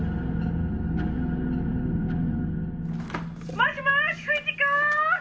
もしもし藤子？